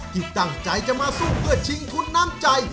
ที่ตั้งใจจะมาสู้เพื่อชิงทุนน้ำใจ